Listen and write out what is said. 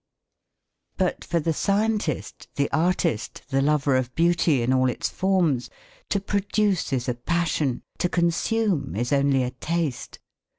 But for the scientist, the artist, the lover of beauty in all its forms, to produce is a passion, to consume is only a taste.